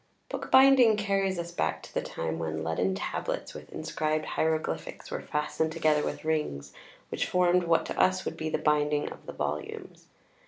Bookbinding carries us back to the time when leaden tablets with inscribed hieroglyphics were fastened together with rings, which formed what to us would be the binding of the volumes.